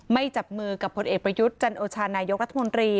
จับมือกับผลเอกประยุทธ์จันโอชานายกรัฐมนตรี